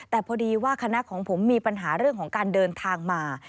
แต่พอดีว่าคณะของผมมีปัญหาเรื่องของการเดินทางมา